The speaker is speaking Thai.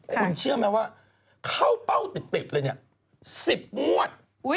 คุณเชื่อมั้ยว่าเท่าเป้าติดเลย๑๐งวด